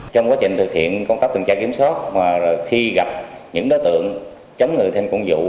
trong quá trình thực hiện công tác tình trạng kiểm soát và khi gặp những đối tượng chống người thêm công dụ